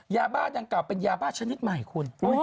ยาบ้าดังกล่าเป็นยาบ้าชนิดใหม่คุณ